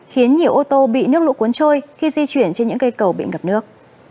khiến nhiều ô tô bị nước lũ cuốn trôi khi di chuyển trên những cây cầu bị ngập nước